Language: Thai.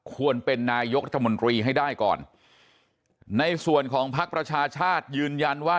ควรเป็นนายกรัฐมนตรีให้ได้ก่อนในส่วนของพักประชาชาติยืนยันว่า